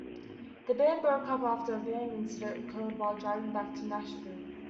The band broke up after a van accident occurred while driving back to Nashville.